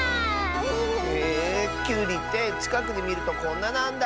へえきゅうりってちかくでみるとこんななんだ。